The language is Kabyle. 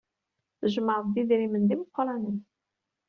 Tjemɛeḍ-d idrimen d imeqranen.